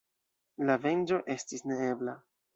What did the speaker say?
La venĝo estis neebla.